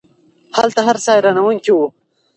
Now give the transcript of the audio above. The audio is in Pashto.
هلته هر څه حیرانوونکی وو.